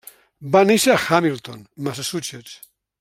Va néixer a Hamilton, Massachusetts.